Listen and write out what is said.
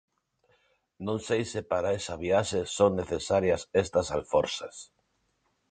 Non sei se para esa viaxe son necesarias estas alforxas.